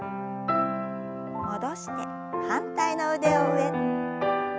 戻して反対の腕を上。